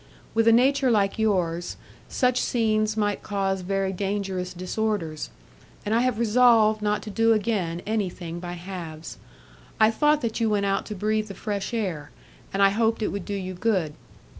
With a nature like yours, such scenes might cause very dangerous disorders, and I have resolved not to do again anything by halves. I thought that you went out to breathe the fresh air, and I hoped it would do you good.